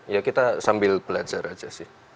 ya kita sambil belajar aja sih